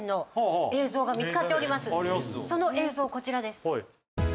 その映像こちらです。